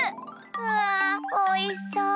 わあおいしそう。